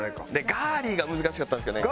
「ガーリー」が難しかったんですけどね。